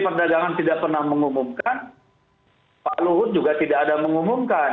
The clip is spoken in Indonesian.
perdagangan tidak pernah mengumumkan pak luhut juga tidak ada mengumumkan